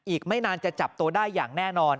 อีกไม่นานจะจับตัวได้อย่างแน่นอน